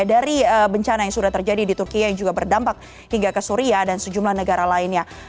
dari bencana yang sudah terjadi di turki yang juga berdampak hingga ke suria dan sejumlah negara lainnya